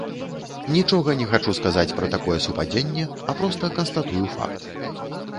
Нічога не хачу сказаць пра такое супадзенне, а проста канстатую факт.